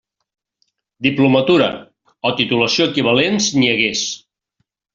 Diplomatura, o titulació equivalent si n'hi hagués.